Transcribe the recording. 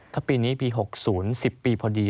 ถ้าปีนี้ปี๖๐๑๐ปีพอดี